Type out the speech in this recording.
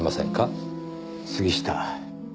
杉下。